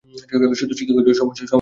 শুধু চিকাগোয় নয়, সমগ্র আমেরিকায়।